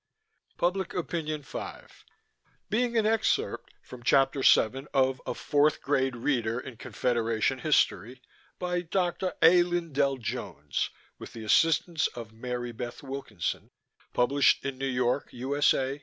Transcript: PUBLIC OPINION FIVE Being an excerpt from Chapter Seven of A Fourth Grade Reader in Confederation History, by Dr. A. Lindell Jones, with the assistance of Mary Beth Wilkinson, published in New York, U. S. A.